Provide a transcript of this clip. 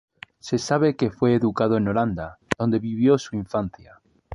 Se sabe que fue educado en Holanda, donde vivió su infancia.